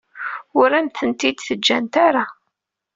Ur am-tent-id-ǧǧant ara.